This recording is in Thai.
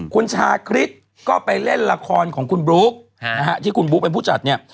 คุณชาคริสก็ไปเล่นละครของคุณบลุ๊กที่คุณบุ๊กเป็นผู้จัดเนี่ย